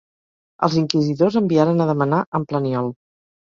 Els inquisidors enviaren a demanar en Planiol.